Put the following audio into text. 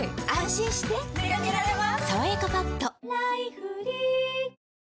心してでかけられます